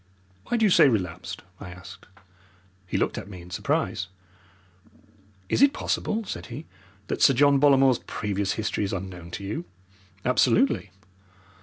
"Why do you say relapsed?" I asked. He looked at me in surprise. "Is it possible," said he, "that Sir John Bollamore's previous history is unknown to you?" "Absolutely."